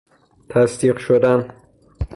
تصدیق شدن